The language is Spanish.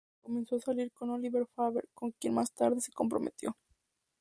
Comenzó a salir con Oliver Farber, con quien más tarde se comprometió.